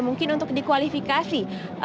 mungkin untuk dikualifikasi